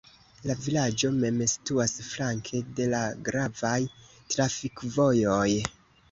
La vilaĝo mem situas flanke de la gravaj trafikvojoj.